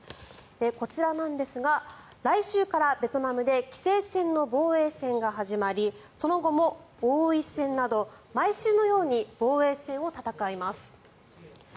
こちらですが、来週からベトナムで棋聖戦の防衛戦が始まりその後も王位戦など、毎週のように防衛戦を戦います。